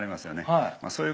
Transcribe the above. はい。